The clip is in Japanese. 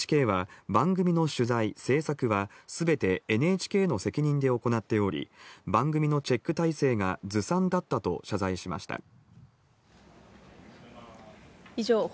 ＮＨＫは番組の取材・制作はすべてＮＨＫの責任で行っており、番組のチェック体制がずさんだったと謝罪しました。